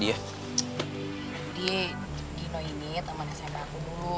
dia gino ini temannya saya mbakku dulu